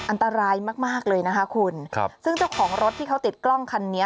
อันตรายมากมากเลยนะคะคุณครับซึ่งเจ้าของรถที่เขาติดกล้องคันนี้